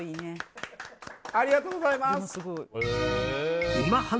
ありがとうございます！